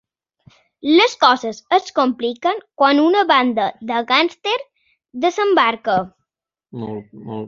Les coses es compliquen quan una banda de gàngsters desembarca.